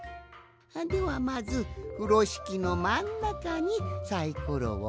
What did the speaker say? ではまずふろしきのまんなかにサイコロをおいて。